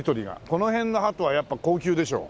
この辺のハトはやっぱ高級でしょ。